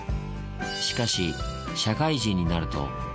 しかし、社会人になると。